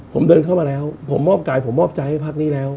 ผมเดินเข้ามาแล้วผมมอบกายผมมอบใจให้พักนี้แล้ว